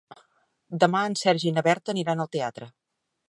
Demà en Sergi i na Berta aniran al teatre.